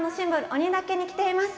鬼岳に来ています。